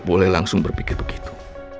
kamu gak boleh langsung berpikir begitu